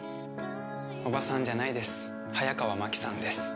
おばさんじゃないです早川麻希さんです。